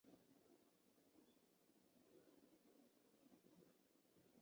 在二十世纪末时表面黏着技术包装的元件可以缩小系统的体积及重量。